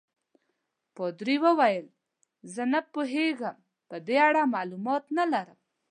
پادري وویل: زه نه پوهېږم، په دې اړه معلومات نه لرم.